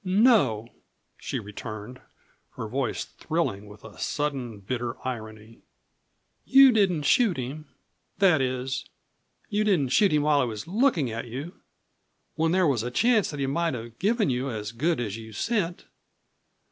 "No," she returned, her voice thrilling with a sudden, bitter irony, "you didn't shoot him. That is, you didn't shoot him while he was looking at you when there was a chance that he might have given you as good as you sent.